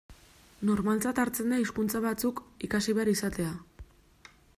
Normaltzat hartzen da hizkuntza batzuk ikasi behar izatea.